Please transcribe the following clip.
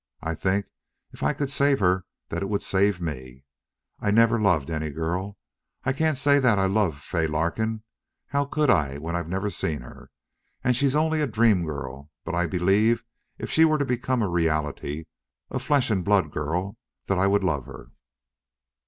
I think if I could save her that it would save me. I never loved any girl. I can't say that I love Fay Larkin. How could I when I've never seen her when she's only a dream girl? But I believe if she were to become a reality a flesh and blood girl that I would love her."